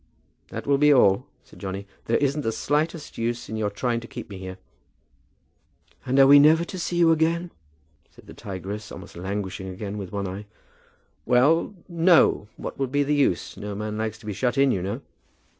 "That will be all," said Johnny. "There isn't the slightest use in your trying to keep me here." "And are we never to see you again?" said the tigress, almost languishing again with one eye. "Well; no. What would be the use? No man likes to be shut in, you know."